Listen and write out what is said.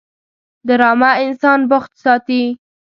ډرامه انسان بوخت ساتي